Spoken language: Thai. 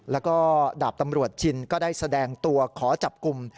แล้วก็ดาบตำรวจชินก็ได้แสดงตัวขอจับกลุ่ม